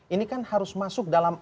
ini kan harus masuk dalam